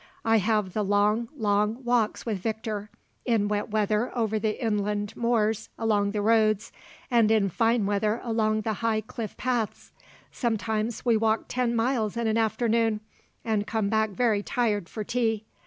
I have the long, long walks with Victor, in wet weather over the inland moors along the roads, and in fine weather along the high cliff paths; sometimes we walk ten miles in an afternoon and come back very tired for tea.